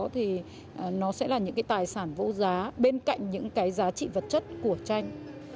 thì nó sẽ là những cái tài sản vô giá bên cạnh những cái giá trị vật chất của tranh